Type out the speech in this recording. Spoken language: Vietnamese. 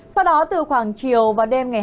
sau đó từ khoảng chiều vào đêm ngày hai mươi chín